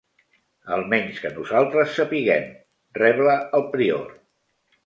Almenys que nosaltres sapiguem, rebla el prior.